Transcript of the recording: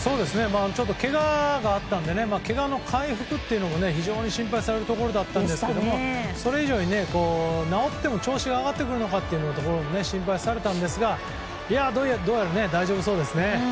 けががあったんでけがの回復というのも非常に心配されるところだったんですがそれ以上に治っても調子が上がってくるのかが心配されたんですがどうやら大丈夫そうですね。